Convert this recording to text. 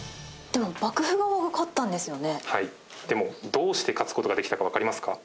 でもどうして勝つ事ができたかわかりますか？